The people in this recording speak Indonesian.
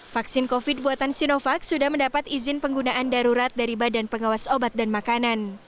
vaksin covid buatan sinovac sudah mendapat izin penggunaan darurat dari badan pengawas obat dan makanan